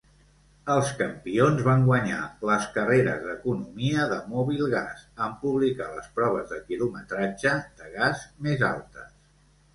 Els campions van guanyar les carreres d'economia de Mobilgas en publicar les proves de quilometratge de gas més altes.